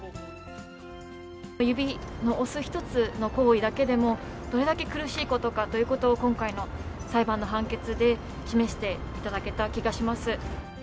指を押す一つの行為だけでも、どれだけ苦しいことかということを、今回の裁判の判決で示していただけた気がします。